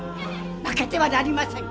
負けてはなりません。